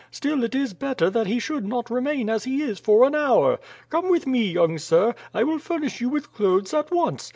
Still it is better that he should not remain as he is for an hour. Come with me, young sir; I will furnish you with clothes at once.